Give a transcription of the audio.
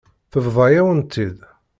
Tebḍa-yawen-tt-id.